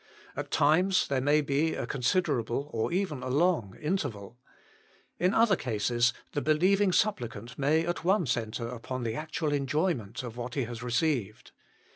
At times there may be a considerable, or even a long, interval. In other cases the believing supplicant may at once enter upon the actual enjoyment of what he has received.